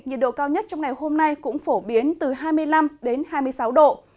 nhiệt độ cao nhất trong ngày hôm nay cũng phổ biến từ hai mươi năm đến hai mươi sáu độ